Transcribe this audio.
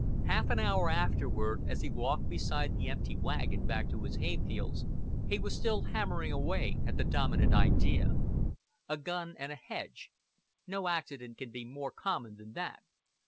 Half an hour afterward, as he walked beside the empty wagon back to his hay fields, he was still hammering away at the dominant idea. A gun and a hedge no accident can be more common than that.